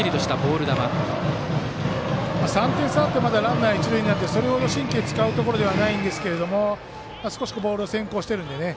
３点差になってまだランナー、一塁なのでそれほど神経使うところではないんですけれども少しボールが先行しているんでね。